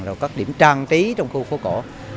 rồi các điểm trang trí trong khu phố cổ